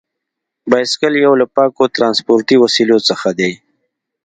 بایسکل یو له پاکو ترانسپورتي وسیلو څخه دی.